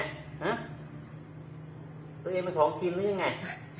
ตัวเองเป็นของกินหรือยังไง